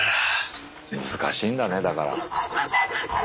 難しいんだねだから。